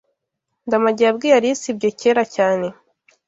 Ndamage yabwiye Alice ibyo kera cyane.